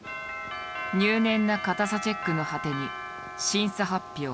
入念なかたさチェックの果てに審査発表。